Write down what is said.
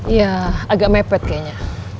ya agak mepet kayaknya